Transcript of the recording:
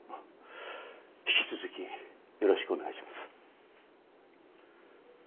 引き続きよろしくお願いします。